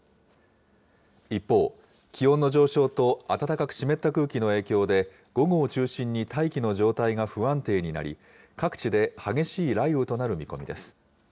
一方、気温の上昇と、暖かく湿った空気の影響で、午後を中心に大気の状態が不安定になり、各地で激しい雷雨となる見込みです。